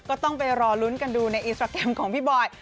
ก็ต้องไปรอลุ้นกันดูในอินสตราแกรมของพี่บอย